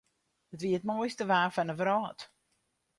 It wie it moaiste waar fan de wrâld.